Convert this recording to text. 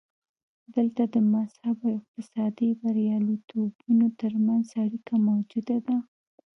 دلته د مذهب او اقتصادي بریالیتوبونو ترمنځ اړیکه موجوده ده.